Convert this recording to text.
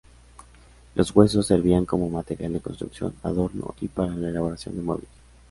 Los huesos servían como material de construcción, adorno y para la elaboración de muebles.